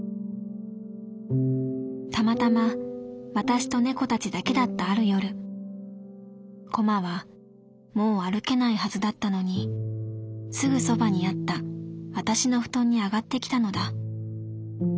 たまたま私と猫たちだけだったある夜コマはもう歩けないはずだったのにすぐそばにあった私の布団に上がってきたのだ。